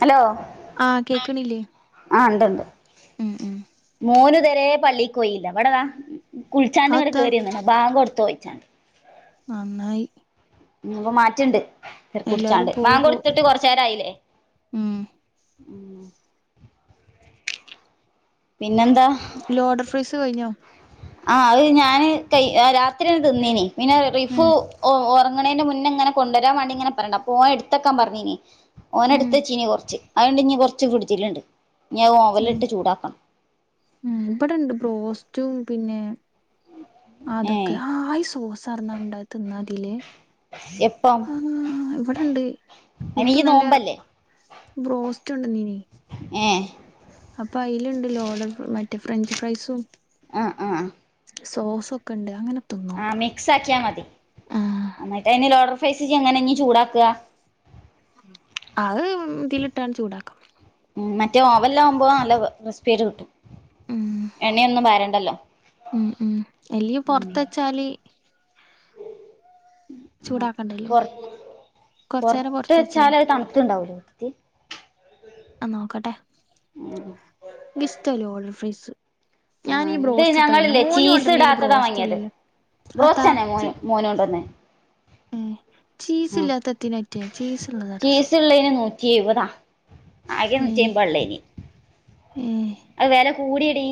Hello ആഹ് കേക്കണില്ലേ ആ മോനു തരെ പള്ളിക്ക് പോയില്ല ഇവിടെത കുൾ ചാണ്ട് അതെത്താ കയറിന്ന ബാക് കൊടുത്തുോയിച്ചാണ്ട് നന്നായി പ്പൊ മാറ്റിണ്ട് ചെറ എല്ലാരും കുടിച്ചാണ്ട് വാൻ പോയി പോ കൊടുത്തിട്ട് കുറച്ച നേരയിലെ ഉം ഉം പിന്നെന്താ ലോഡർ ഫ്രീസ് കഴിഞ്ഞോ ആ അത് ഞാന് കൈ രാത്രിയണ് തിന്നീന് പിന്നെ ഉം റിഫൂ ഉറങ്ങുന്നതിനു മുന്നേ ഇങ്ങനെ കൊണ്ടുവരാൻ വേണ്ട ഇങ്ങനെ പറഞ്ഞ അൊ ഓൻ എടുത്തക്കാ പറഞ്ഞീ ഓൻ ഉം എടുത്തച്ചീനി കുറച്ച് അതുകൊണ്ട് ഇ കുറച്ച് പിടിച്ചിലുണ്ട് ഇനി ഓവലിട്ട് ചൂടാക്കണം ഉ ഇവിടെ ഇണ്ട് പ്രോസ്റ്റൂ പിന്നെ ഏ അതൊക്കെ ആയി സോസറന്ന ഇണ്ടായി തിന്ന അതിലേ എപ്പം ആ ഇവിടെണ്ട് അയിന് ഇയ്യ് മുത്ത നല്ല നോമ്പല്ലേ ബ്രോസ് ഇുണ്ടണ്ട് നീ ഏഹ് - അപ്പൊ അയിലുണ്ടല്ലോ ഓർഡർ മറ്റേ ഫ്രഞ്ച് ഫ്രൈസും- ആഹ് ആഹ് - സോസ ഒക്കെ ഉണ്ട് അങ്ങനെ- ആഹ് തിന്നോക്കണം മിക്സ് ആക്കിയാൽ മതി ആഹ് എന്നായിട്ട്ന്നെ ലോർഡർ- [unintelligible] എങ്ങനെഇഞ്ഞി ചൂടാക്ക ആഹ് ഇതിലിട്ടാണ് ചൂടാക്കാം മം മറ്റേഓവൻലാവുമ്പോ നല്ല മ ക്രിസ്പിയായിട്ട് കിട്ടും ഉം എണ്ണയൊന്നും പാരണ്ടല്ലോ ഉം ഉം എല്ല്യെ പൊറത്ത ച്ചാല് ചൂടാക്കണ്ടല്ലോ കൊറച്ചേരം പൊർത്ത് പൊറത്ത് വെച്ചാല് അത് തണ്ത്തിണ്ടാവൂലെ അ നോക്കട്ടെ ഉം ങ്കിഷ്ട്ട ലോഡർ ഫ്രൈസ് ആ ഞാനീയ് ഇത് ബ്രോസ്റ്റ് ഇട്ടാ തിന്നാ ഞങ്ങളില്ലേ മോനു കൊണ്ടര്ണീല്ല് ബ്രോസ്റ്റ് അല്ലല്ലോ അതാ ബ്രോസ്റ്റ്ന്നെ ചീ മോനു മോൻ കൊണ്ടര്നെ ഏ ചീസ് ഇല്ലാത്തെ എത്തിനാറ്റ ചീസ്ള്ളതാ രെസം ചീസ് ഉള്ളേന് നൂറ്റി എഴുവതാ ആകെ നൂറ്റി അയ്മ്പതാ ഇള്ളയ്യ്നെ ഏ അത് വെല കൂടിയടി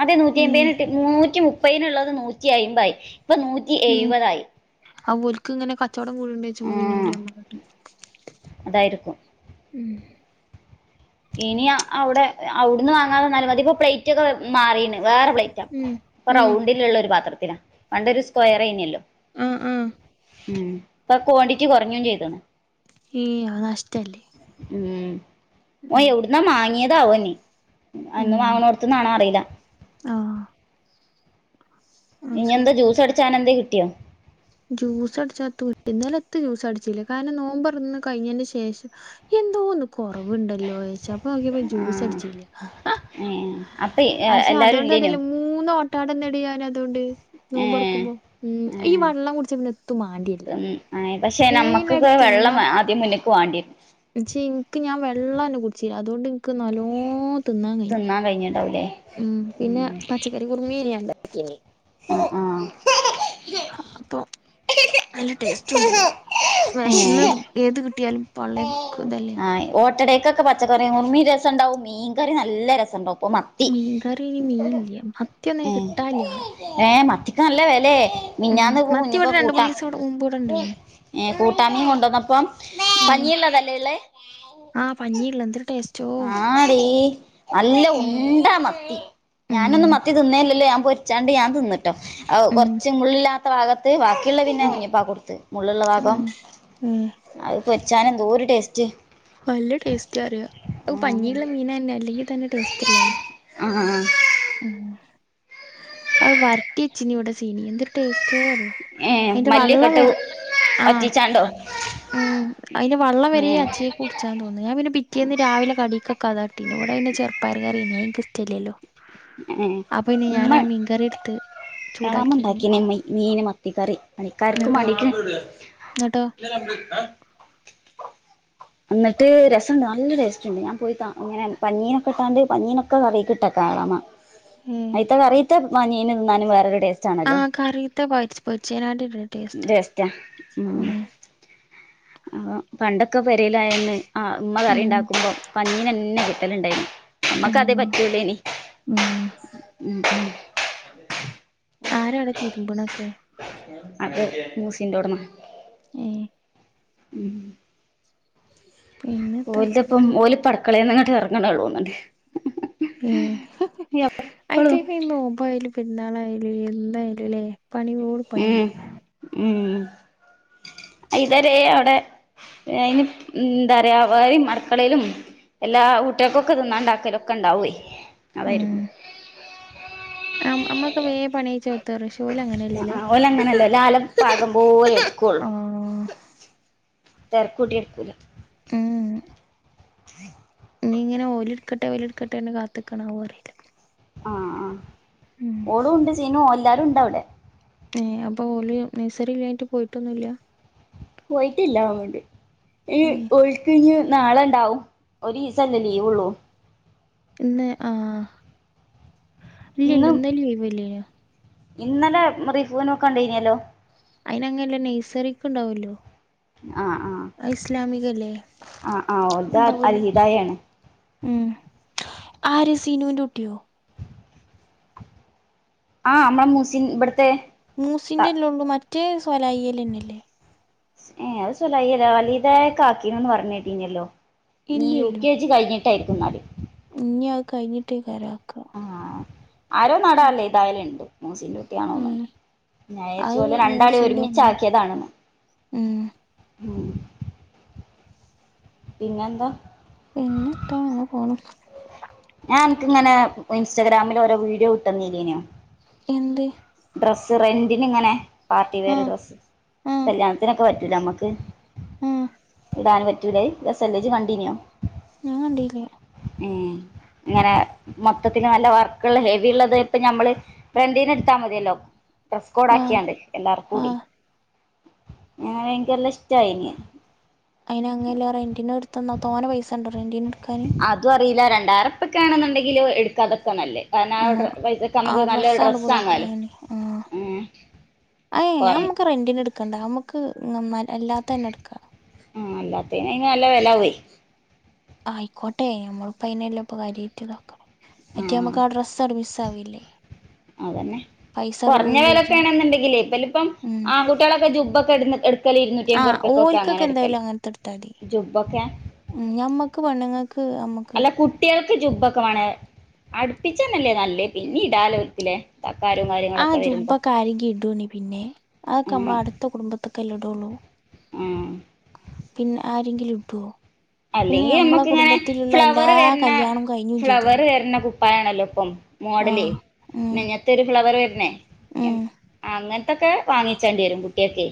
ആദ്യം നൂറ്റി ഏ അയിമ്ബെൻ കിട്ടി നൂറ്റി മു - മുപ്പയ്നിള്ളത് നൂറ്റി അയിമ് മ്പ താ യി ഇപ്പൊ നൂറ്റി എഴുപതായി അവോൽക്ക് ങ്ങനെ ക ചോടം [unintelligible] ഉം അതായിരിക്കും [unintelligible] ഇനി അവുടെ അവിടുന്ന് വാങ്ങാതെന്നാലും മതി ഇപ്പൊ പ്ലേറ്റ് ഒക്കെ മാറീണ് വേറെ പ്ലേറ്റാ ഉം ഇപ്പൊ ഉം റൗണ്ടിലിള്ള ഒരു പാത്രത്തിനാ പണ്ടൊരു സ്ക്വയർഅയ് നല്ലോ ആഹ ആ ഉം പ്പൊ ക്വാണ്ടിറ്റി കൊറഞ്ഞും ചെയ്ത്ണ് ഏ അഹ് നഷ്ടല്ലെ ഉം ഓ എവുടുന്നാ മാങ്ങിയതാവോന്നി ഉം എന്നും വാങ്ണോട്ത്ത്ന്നാണോ അറീ യില്ല ആ ആ ഇഞ്ഞി എന്താ ജ്യൂസ് അടിച്ചാന എന്തയ് കിട്ടിയോ ജൂസ് അടിച്ചാ [inaudible] ഇന്നലെ എത്തും ജൂസ് അടിചീല്ല കാരണം നോമ്പോർന്ന് കഴിഞ്ഞെന്റെ ശേഷം എന്തോന്ന് കുറവ്ണ്ടല്ലോ [unintelligible] അപ്പോ നോക്കിയപ്പോ ജൂസ് അടിച്ചീല്ല അപ്പേയ്യ് ആശ അതോ ണ്ട് അതെലയ്യ് മൂന്ന് ഓട്ടാടന്നെടി ഞാൻ അതോണ്ട് ഏഹ് നോമ്പോറക്കുമ്പോ ഉം ഈ ഏഹ് വാ ള്ളം കുടിച്ചാ പിന്നെ ഒത്തും മാണ്ടിരില്ലാ തിന്ന് ഏഹ് പക്ഷെ നമ്മക്ക്ക്കെ വെള്ളം ആദ്യം മുന്ന്ക്ക് വാണ്ടിവെരും [unintelligible] ഇൻക്ക് ഞാൻ വെള്ളന്നെ കുടിചീയ അതോണ്ട് ഇൻക്ക് നല്ലോം തിന്നാൻ കയ്യും ഉം പിന്നെ പച്ചക്കറി കുറുമെനി ഞാ ഇണ്ടാക്കിനെ ആഹ [inaudible] അതോ നല്ല ടേസ്റ്റും ഇണ്ടയ്നി വെശന്ന് ഏഹ് ഏത് കിട്ടിയാലും പള്ളേ [inaudible] പച്ചക്കറിഉറുമി രസം ഇണ്ടാവും മീൻ കറീമം നല്ല രസം ഇണ്ടാവും ഇപ്പൊ മത്തി മീൻകറി ഇനി മീൻ ഇല്ല മത്തിയൊന്നും എ കിട്ടാനില്ല മോളെ ഏ മത്തിക്ക് നല്ല വെലെ ഉം മിഞ്ഞാന്ന് പോ മത്തി കുഞ്ഞിപ്പ ഇവിടെ രണ്ട് മൂന്ന് കൂട്ടാം ദിവസം ഇവിടെ മുമ്പ് ഇവിടെ ഉണ്ടായിനി ഏ കൂട്ടാമീ കൊണ്ടുന്നപ്പം ഉം പഞ്ഞിഇള്ളതല്ലെ ഇള്ളേ ആ പഞ്ഞിഇള്ള ന്തൊരു ടേസ് ആടി നല്ല ഉം ഉണ്ട മത്തി ഉം ഞാനൊന്നും മത്തി തിന്നേല്ലല്ലോ ഞാ പൊരിച്ചാണ്ട് ഞാൻ ഉം തിന്ന്ട്ടോകൊറച്ച് മുള്ളിലാത്ത വാഗം വാക്കിള്ളത് പിന്നെ ഉം കുഞ്ഞിപ്പാക്ക് കൊടുത്ത് മുള്ഇള്ള വാഗം ഉം ഉം അഹ്ഹ പൊരിച്ചാൻ എന്തൊരു ടെസ്റ്റ് വല്യ ടെസ്റ്റാ അറിയ അവൂ പഞ്ഞിള്ള മീനന്നെ അല്ലെങ്കി തന്നെ ടേസ്റ്റ്ള്ളതല്ലേ ആ ആ ഉം അഹ വരട്ടി വച്ചീനി ഇവിടെ സീനി എന്തൊരു ടേസ്റ്റ് ചോറിയോ ഏ അതിന്റെ മല്ലിയൊക്കെ വള്ളം ഇട്ട് വെരെ ആഹ വറ്റിച്ചാണ്ടോ ഉം അയിന്റെ വള്ളം വെരെ ഏ അച്ചക്ക് [unintelligible] ച്ചാ തോന്നു ഞാപിന്ന പിറ്റേന്ന് രവിലെ കടിക്കക്കെ അതാട്ടിന് ഇവിടെ പിന്നെ ചെറുപ്പയറ് കറിയെന് അയ് എനിക്കിഷ്ടല്ലല്ലോ- ഏഹ് ഉമ്മന് മീൻകറി എടുത്ത് കണമ ചൂടാക്കി തിന്ന് ഉണ്ടാക്കിന്മ് മീന് മത്തിക്കറി പണിക്കാർക്കും എന്നിട്ടോ മാണ്ടിട്ട്- എന്നിട്ടോ എന്നിട്ട് രസംണ്ട് നല്ല ടെസ്റ്റ് ഉണ്ട് ഞാൻ പോയി താ ഇങ്ങനെ പനീനൊക്കെ ഇട്ടാണ്ട് പഞ്ഞീനൊക്കെ കറിയിക്കിട്ടക്ക- ആയാമ ഏഹ് അയിത്ത കറയിത്ത പനീന് ന്നാനും വേറെരുടെ ടെ ച്ചാണല്ലോ ആഹ് കറിത്തെ പൊരിച്ച് പൊരിച്ചേനാട്ടിലും ടേസ്റ്റാ ടേയ്സ്റ്റാ ഉം- അ [unintelligible] പണ്ടൊക്കെ പെരെലായന്ന് ആഹ് ഉമ്മ ഉം കറിണ്ടാക്കുമ്പോ പ [unintelligible] പിന്നെ കിട്ടലുണ്ടായിന് ഉം നമ്മക്ക് അതേ പറ്റൂള്ളേനി ഉം ഉം ആരവിടെ തിരുമ്പണൊക്കെ അത് മൂസിന്റോട്മ ഏഹ് ഉം പിന്നെത്താ ഓല്ന്റോപ്പം ഓല് ഇപ്പ അട്ക്കളന്നങ്ങട്ട് എറങ്ങണെള്ളൂന്ന്ണ്ട് ഏഹ് എപ്പളും അയറ്റെക്ക്‌ ഈ നോമ്പയാലും പെര്ന്നാളായ്ലും എന്തായാലുല്ലേ പണിയോട് ഉം പണിയാണ് ഉം ഇതരെ അവിടെ അയിന് ഇപ് എന്താറയാ വേറെം അടുക്കളെലും എല്ലാ ഉട്ടികക്കൊക്കെ തിന്നാണ്ടാക്കലൊക്കെണ്ടാവേ ഉം നമ് നമ്മളൊക്കെ വേ പണിച്ചോ തെറ്ശൂലങ്ങനെല്ലല്ലേ ല്ലാല്ലം പാകം പോലെ എടുക്വൊള്ളു ആഹ് തെരക്കൂട്ടി എടുക്കൂല ഞ്ഞി ഇങ്ങനെ ഓലെടുക്കട്ടെ ഓലെടുട്ടെന്ന് കാത്തിക്കണാവോ അറിയില്ല ആഹ് ആഹ് ഉം ഓളും ഉണ്ട് ജീനും എല്ലാരുണ്ടവിടെ ഏഹ് അപ്പൊ ഓല് നഴ്സറി ഇല്ലഞ്ഞിട്ട് പോയിറ്റൊന്നുല്ല പോയിട്ടില്ലഅഒണ്ട് ഇ ഏ ഓയ് കയിഞ്ഞൽ നാളണ്ടാവും ഒരു ഈസല്ലേ ലീവ്ള്ളൂ ഇന്ന് ആഹ് ഇല്ലില്ലു ഇന്ന് ലീവില്ലിയൊ ഇന്നലെ റീഫുനോക്കണ്ടിയിനിയല്ലോ അയിനങ്ങല്ലേ നഴ്സറിക്ക് ണ്ടാവല്ലോ ആഹ് ആഹ് ഐസ്ലമികല്ലെ ആഹ് ആഹ് ഓൽത് ഉണ്ടാവൂല്ലോ അൽഹിദായാണ് ഉം ആര് സീനുന്റെ കുട്ടിയോ ആഹ് നമ്മളെ മൂസിൻ ഇബടത്തെ മൂസിന്റെ ന്റെള്ളു മറ്റേ സോലായികലെന്നെല്ലേ ഏഹ് അത് സൊലാഹ്യല്ലാ [unintelligible] കേട്ടിഞ്ഞല്ലോ നീ യു ഇല്ലല്ലോ കെ ജി കഴിഞ്ഞിട്ടാരിക്കും എന്നല് ഇനി അത് കഴിഞ്ഞിട്ടേ കരാ ആഹ് ആരോ നടല്ലേ എതായാലും ണ്ട് മൂസിന്റെ ഉം കുട്ടിയാണോന്നുണ്ട് ഞായിരിച്ച് അത് പോലെ രണ്ടാളേം മൂസിന്റെ ഒരുമിച്ച് ഒന്നുണ്ട് ആക്കിയതാണ്ന്ന് ഉം ഉം പിന്നെന്താ പിന്നെ ന്താ അങ്ങ് പോണു ഞാൻ എനക്ക്ങ്ങനെ ഇൻസ്റ്റാഗ്രാമിലൊരോ വീഡിയോ ഇട്ടുന്നീലിനോ എന്ത് ഡ്രസ്സ് റെന്റന് ഇങ്ങനെ പാർട്ടി വെയർ ആഹ് ഡ്രസ്സ് കല്യാണത്തിനൊക്കെ പറ്റുല്ലേ നമ്മക്ക് മ് ഇടാൻ പറ്റൂല്ലേ രസ്ല്ലേ ഇജ് കണ്ടീനോ ഞാൻ കണ്ടില്ല മ്, അങ്ങനെ മൊത്തത്തിൽ നല്ല വർക്കുള്ള ഹെവി ഉള്ളത് ഇപ്പ നമ്മള് റെന്റിന് ഇട് ത്താ മതിയല്ലോ ഡ്രസ് കോഡ് ആഹ് ആക്കിയാണ്ട് എല്ലാർകൂടി ആഹ് ഞൻ ഇന്ക്കല്ല ഇഷ്ടയിനി അയിന് അങ്ങല്ല റെന്റിന് എടുത്ത്ന്ന തോന പൈസ ഇണ്ടോറെന്റിന് എടുക്കാന് ക്കാണെന്നുണ്ടെങ്കിൽ എടുക്കാതക്കെ നല്ല കാരണം ആ പൈസക്ക് നമ്മക്ക് നല്ലരു ഡ്രസ്സ് വാങ്ങാലോ അന്നെ ആ ഉം ആയെ കൊറ നമ്മക്ക് റെന്റിന് എടുക്കണ്ട നമ്മക്ക് ആ, അല്ലാത്തയിന്. നല്ല വെലാവുയ് ആയിക്കോട്ടെ നമ്മളിപ്പോ അയിനല്ലേ പ്പോ കാര്യാട്ട് നോക്കണ് മറ്റേ ആഹ് നമ്മക്ക് ആ ഡ്രസ്സ് മിസ്സ വില്ലേ... അതന്നെ കൊറഞ്ഞ വെലൊക്കെണെന്നണ്ടെങ്കിൽ വലിപ്പം ഉം ആകുട്ടിയൊളൊക്കെ ജുബ്ബക്കെ എടുന്ന യെടുക്കൽ ഇരുന്നൂറ്റി അയിമ്പത് ആഹ് ഉർപ്പ്യ കൊക്കെ അങ്ങനെ ഓൽക്കൊക്കെ എടുക്കൽ എന്തായാലും അങ്ങനത്തെ എടുത്താതി ജുബൊക്കെ ഉം, ഞമ്മക്ക് പെണ്ണുങ്ങ അല്ല കുട്ടിൾക്ക് ജുബ്ബൊക്കെ വേണെ അടുപ്പിച്ചന്നല്ലേ നല്ലേ പിന്നീടല്ലോ ഓല്ക് ലേ ആ, ജുബ്ബൊക്കെ ആരെങ്കിണി ഇടോ പിന്നെ അതൊക്കെ നമ്മള് അടുത്ത കുടുംബത്തൊക്കെല്ലാം ഇടള്ളു ആ യെങ്കിലും ഇടോ അല്ലെങ്കി നമ്മുക്കങ്ങനെ എല്ലാ ഫ്ലവർ വര്ണ കല്യാണവും കഴിഞ്ഞും ഫ്ലവർ ചെയ്തണ് വര്ണ കു പ്പയാണല്ലോ പ്പം മോഡല് ആഹ് ഉം നെഞ്ഞത് ഒരു ഫ്ലവർ വരണേ എൻ ഉം അങ്ങന ത്തൊക്കെ വാങ്ങിച്ചേണ്ടി വരും കുട്ടിയൊക്കെ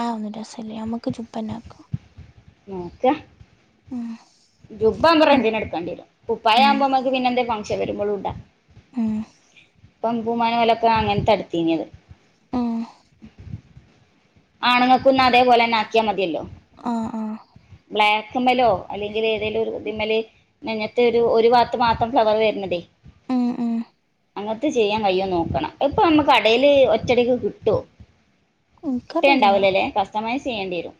ആ ഒന്ന് രസല്ല്യ നമ്മുക്ക് ജുബ്ബനാക്കാ നോക്കാ ഉം ജുബ്ബാവുബോ ഉം റണ്ടിന് എടുക്കണ്ടി വരും കുപ്പയാവുബോ മ്മക്ക് പിന്നെ എന്തേ ഫങ്ഷൻ വരുമ്പോഴും ഇടാ ആ പമ്പൂമാന പോലൊക്കെ അങ്ങനെത്തെടുത്തീനത് ആഹ് ആണുങ്ങൾക്കുന്ന അതേപോലെന്നെ ആക്കിയാൽ മതിയല്ലോ ആ ആ ബ്ലാക്ക്മ്മലോ അല്ലെങ്കിൽ ഏതെലും ഒരു ഇതിമ്മല് നെഞ്ഞത്തൊരു ഒരു ഭാത്ത് മാത്രം ഫ്ലവർ വര്ന്നതേ ഉം ഉം അങ്ങനത്തെ ചെയ്യാൻ കയ്യോ നോക്കണം ഇപ്പൊ നമ്മക് കടേല് ഒറ്റടിക്ക് കിട്ടോ ഇൻക്കറിയില്ല കിട്ടുണ്ടാവൂലലേ കസ്റ്റമെഴ്‌സ് ചെയ്യേണ്ടിവരും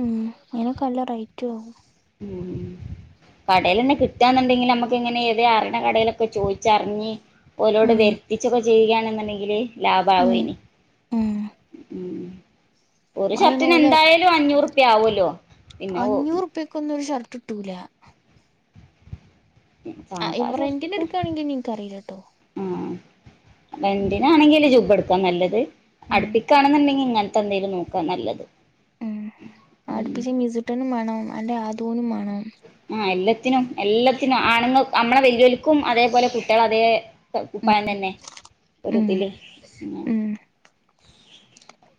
ഉം അയിനൊക്കെ നല്ല റൈറ്റു ആവും കടലെന്നെ കിട്ടുന്നുണ്ടെങ്കിൽ നമ്മക്ക് ഇങ്ങനെ ഏത അറിണ കടയിലൊക്കെ ചോയിച്ചറിഞ്ഞ് ഓരോട് ഉം വരുത്തിച്ചൊകെ ചെയ്യുയാണെന്നുണ്ടെൽ ലാഭവു ഉം യോനി ഉം അയിന് ഒലെ അഞ്ഞൂറുപ്യ ആവുമല്ലോ പിന്നെ അഞ്ഞൂറിപ്യകൊന്ന് ഒരു ഷർട്ട് ട്ടൂല ആ സാധാ ഇവ റെന്റിന് ഷർട്ടക്ക് എട്ക്കുകണെങ്കി ഇനി ന്ക് അറീലാട്ടോ ആ റെന്റിനാണെങ്കില് ജുബ്ബ എടുക്കാണ് നല്ലത് ഉം അടുപ്പിക്കാണെന്നുണ്ടെങ്കി ഇങ്ങന് ത്തേന്തേലും നോക്കാ നല്ലത് ഉം ഉം അടുപ്പിച്ച മിസിട്ടനും വേണം അന്റെ ആദൂനും വേണം ആ എല്ലത്തിനും എല്ലത്തിനും ആണു ങ്ങാ നമ്മളെ വെല്ല്യയോൽക്കും അതേപോലെ കുട്ടിള അതേ കുപ്പായം തന്നെ ഉം ഒരുതില് ഉം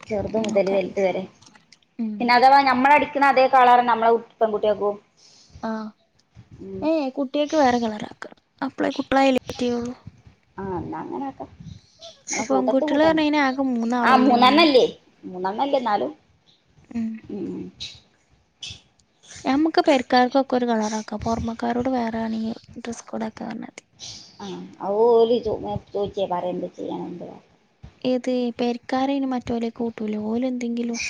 ചെറുത് മുതൽ നോക്കാം വല്തു വരെ ഉം പിന്നെ അതവാ നമ്മളടു ക്കണ അതേ കളറന്ന നമ്മളെ പെങ്കുട്ടിയൊക്കും ആഹ് ഏഹ് കുട്ടിയോക്ക് വേറെ കളറാക്ക അപ്പളേ കു [unintelligible] ആഹ് ന്നാ അങ്ങനാക്കാ ന്നകൂട്ടത്ത് പെൺകുട്ടികള് കൂട്ട പറഞ്ഞ് കഴിഞ്ഞാ ആകെ ആഹ് മൂന്നാളല്ലേ ഉള്ളൂ മൂന്നെണ്ണില്ലേ മൂന്നെണ്ണല്ലേ എന്നാലും ഉം ഞമ്മക്ക് പെരക്കാർക്കൊക്കെ ഒരു കളറാക്കാം പോർമ്മക്കാരോട് വേറെ ആണകി ഡ്രസ്സ് കോഡൊക്ക പറഞ്ഞാതി ആഹ്‌ ഓല് [unintelligible] ഏത് പെരക്കാരയിന് മറ്റോലേ കൂട്ടൂലോ ഓലെ ന്തെങ്കിലും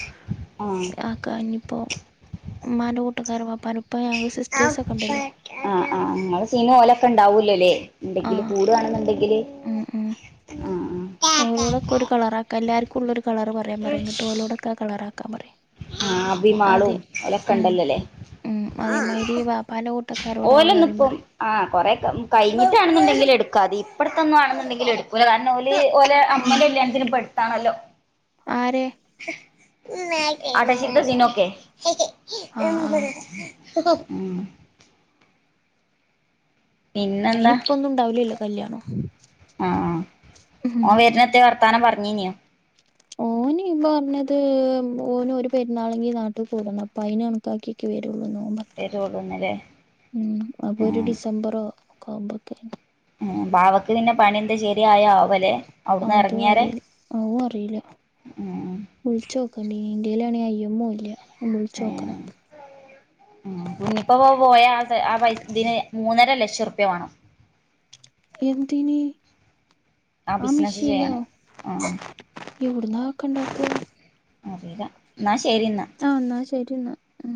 ആഹ് ആക്കാഞ്ഞിപ്പോ ആഹ് സിസ്റ്റേഴ്സ് ഒക്കെ ഉണ്ടല്ലോ ആഹ് സീനാ ഓലൊക്കെ ണ്ടാവു വുലല്ലേ ഇണ്ടെങ്കില് ആഹ് കൂടാണ്ന്ന്ണ്ടെങ്കില് ഉം ഉം ആഹ് ആഹ്. ഫുള്ള് ഒരു കളർ പറയാം പറി. ഇങ്ങിട്ട് ഓലോടൊക്കെ ആ കളറാക്കാൻ പറയ്. ആഹ് അതെ അഭിമാളും ഓലൊക്കെ ഉം ഉണ്ടല്ലോല്ലേ ഉം അതേമാരി വാപ്പാന്റെ കു ഓലൊന്നുംപ്പം ആ കൊറെക്കെ കഴി ഇങ്ങട്ടാന്നുണ്ടെങ്കില് എടുക്ക അതി ഇപ്പട്ത്തന്നാന്നുണ്ടെങ്കി എട്ക്കൂല. കാരണം ഓല് ഓല് ഉം അമ്മന്റെ കല്യാണത്തിന് പ്പ ത്താണല്ലോ. ആരെ? അടശ്ശേര്ത്തെ സിനു ഒക്കെ ആഹ് ആഹ് ഉം. പിന്നെന്താ അയിനിപ്പൊന്നും ഉണ്ടാവില്ലല്ലോ കല്യാണം ആഹ് ആഹ് ഉം ഓൻ വര്നെത്തെ വർ ർത്താനം പർഞ്ഞീനോ? ഓന് പർഞ്ഞത് ഓന് ഒരു പെരുന്നാളെങ്കി നാട്ട് കൂടണം. അപ്പൊ അയിന് കൺക്കാക്കിക്കെ വരു ള്ളൂന്ന്. വരുള്ളൂന്നല്ലേ ഉം അപ്പൊ ഒര് ആഹ് ഡിസംബറോ ക്കാവുമ്പക്കെന്ന് ബാവക്ക് പിന്നെ പണിന്തെ ശെരി ആയാ ആവല്ലെ അവ്ടുന്ന് എറങ്ങിയാരെ? അവ്വ് അറീല്ല. വിൾച്ചോക്കണ്ടീനി. ഇന്റെലാണെങ്കി ഐ എം ഒ ഇല്ല. ഏഹ് ഉം കുഞ്ഞിപ്പ പ്പൊ പോയ ആ പൈസ ഇതിന് മൂന്ന് ലക്ഷം ർപ്പ്യ വാണം. എന്തിന് ആ ബിസിനസ്സ് മിഷീന്നോ? ചെയ്യണം ആ എവ്ട്ന്നാ ആക്കെ ഇണ്ടാക്ക? അറീല്ല. ന്നാ ശ ആഹ് ന്നാ ശരി ന്നാ ഉം